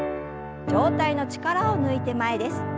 上体の力を抜いて前です。